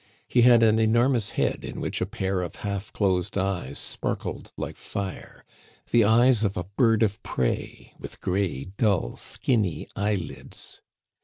He had an enormous head in which a pair of half closed eyes sparkled like fire the eyes of a bird of prey, with gray, dull, skinny eyelids.